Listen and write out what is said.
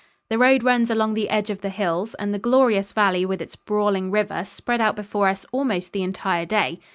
The road runs along the edge of the hills, and the glorious valley with its brawling river spread out before us almost the entire day.